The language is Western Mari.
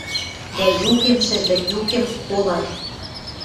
Дӓ юкем, шӹжвӹк юкем, колат.